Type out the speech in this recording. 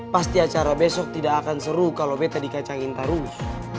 pasti acara besok tidak akan seru kalo betta dikacangin terus